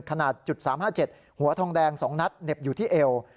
ขนาด๓๕๗หัวทองแดง๒นัดเหน็บอยู่ที่เอว